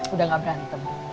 udah nggak berantem